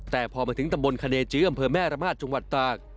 แต่พอมาถึงตำบลคเนจื้ออำเภอแม่ระมาทจังหวัดตาก